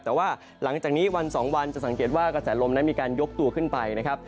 แต่ว่าหลังจากนี้วัน๒วันจะสังเกตว่ากระแสลมนั้นมีการยกตัวขึ้นไปนะครับ